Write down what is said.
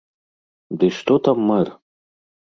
Ды што там мэр!